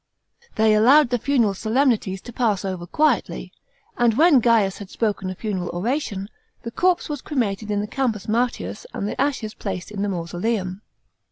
They allowed the funeral solemnities to pass over quietly, and when Gaius had spoken a funeral oration, the corpse was cremated in the Campus Martins and the ashes placed in the mausoleum.